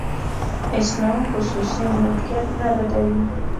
اسلام خصوصي ملکیت نه ردوي.